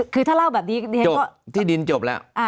คือถ้าเล่าแบบนี้ที่ดินจบแล้ว